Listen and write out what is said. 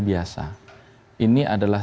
biasa ini adalah